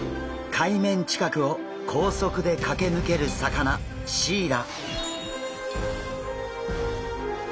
海面近くを高速で駆け抜ける魚シイラ。